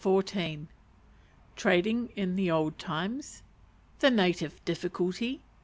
CHAPTER XIV. Trading in the Old Times. The Native Difficulty.